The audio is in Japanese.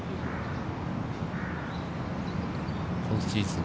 今シーズン